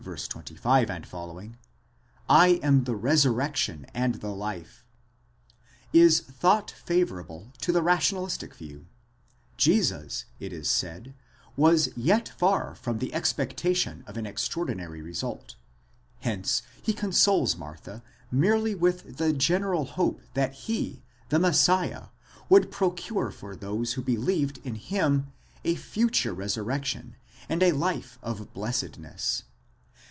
25 f.), 2 am the resurrection and the life, is thought favourable to the rationalistic view: Jesus, it is said, was yet far from the expectation of an extraordinary result, hence he consoles Martha merely with the general hope that he, the Messiah, would procure for those who believed in him a future resurrection and a life of blessedness.